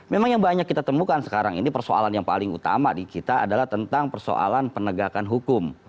memang yang banyak kita temukan sekarang ini persoalan yang paling utama di kita adalah tentang persoalan penegakan hukum